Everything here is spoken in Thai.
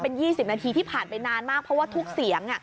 เป็น๒๐นาทีที่ผ่านไปนานมากเพราะว่าทุกเสียง